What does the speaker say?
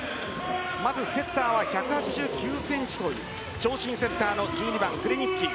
まずセッターは１８９ｃｍ長身セッターの１２番、クレニッキー。